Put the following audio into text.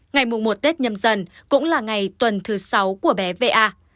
ngày mùa một tết nhâm dân cũng là ngày tuần thứ sáu của bé va